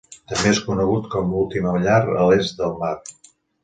També és conegut com l'Última Llar a l'Est del Mar.